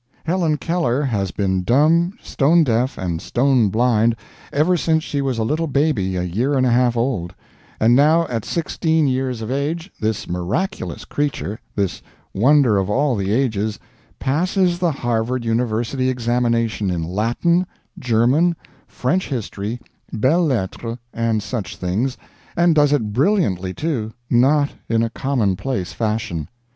Helen Keller has been dumb, stone deaf, and stone blind, ever since she was a little baby a year and a half old; and now at sixteen years of age this miraculous creature, this wonder of all the ages, passes the Harvard University examination in Latin, German, French history, belles lettres, and such things, and does it brilliantly, too, not in a commonplace fashion.